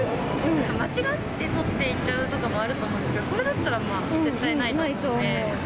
間違ってとっていっちゃうとかもあると思うんですけど、これだっないと思う。